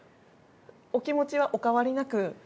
お気持ちはお変わりなく。